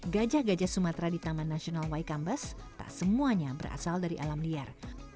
gajah gajah sumatera di taman nasional waikambas tak semuanya berasal dari alam liar